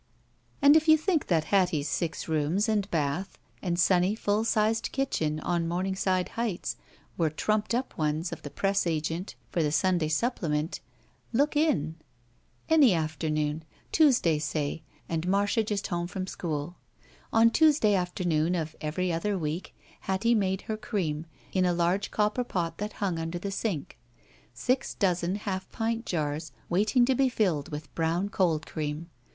And if you think that Hattie's six rooms and bath and sunny, full sized kitchen, on Momingside Hdghts, were trumped up ones of the press agent for the Sunday Supplement, look in. 148 THE SMUDGE %Any afternoon. Tuesday, say, and Marcia just home from school. On Tuesday afternoon of every other week Hattie made her cream, in a large copper pot that himg imder the sink. Six dozen half pint jars waiting to be filled with Brown Cold Cream.